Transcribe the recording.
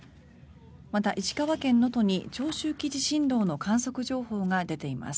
また、石川県能登に長周期地震動の観測情報が出ています。